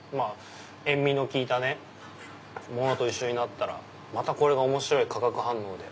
塩味の効いたものと一緒になったらまたこれが面白い化学反応で。